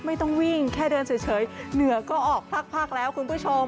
ไม่ต้องวิ่งแค่เดินเฉยเหนือก็ออกภาคแล้วคุณผู้ชม